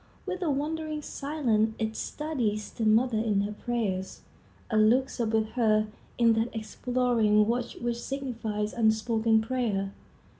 With a wondering silence it studies the mother in her prayers, and looks up with her in that exploring watch which signifies unspoken prayer.